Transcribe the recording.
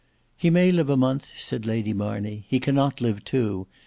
"He may live a month," said Lady Marnev; "he cannot live two.